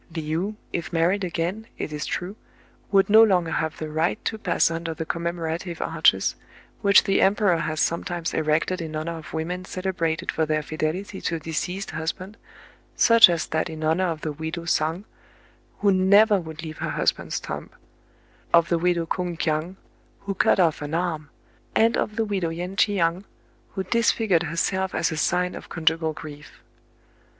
Le ou, if married again, it is true, would no longer have the right to pass under the commemorative arches, which the em peror has sometimes erected in honor of women celebrated for their fidelity to a deceased husband, — such as that in honor of the widow Soung, who never would leave her husband's tomb ; of the widow Koung Kiang, who cut off an arm ; and of the'widow Yen Tchiang, who disfigured herself as a sign of conjugal grief.